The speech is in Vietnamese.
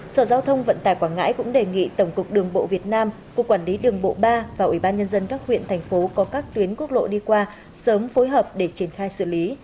sở giao thông vận tải quảng ngãi cũng đề nghị tổng cục đường bộ việt nam cục quản lý đường bộ ba và ủy ban nhân dân các huyện thành phố có các tuyến quốc lộ đi qua sớm phối hợp để triển khai xử lý